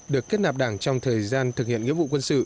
được kết nạp đảng trong thời gian thực hiện nghĩa vụ quân sự